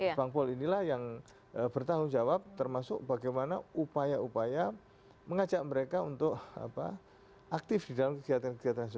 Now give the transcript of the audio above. nah bangpol inilah yang bertanggung jawab termasuk bagaimana upaya upaya mengajak mereka untuk aktif di dalam kegiatan kegiatan sosial